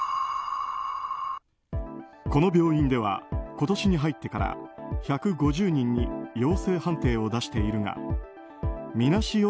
この病院では今年に入ってから１５０人に陽性判定を出しているがみなし